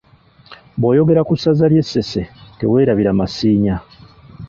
Bw’oyogera ku Ssaza ly’e Ssese teweerabira Masiinya.